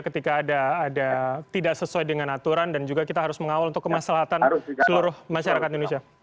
ketika ada tidak sesuai dengan aturan dan juga kita harus mengawal untuk kemaslahatan seluruh masyarakat indonesia